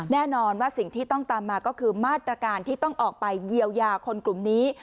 แน่นอนว่าสิ่งที่ต้องตามมาก็คือมาตรการที่ต้องออกไปเยียวยาคนกลุ่มนี้